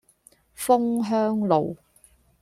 楓香路